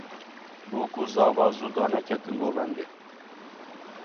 Bûk û zava zû daneketin govendê.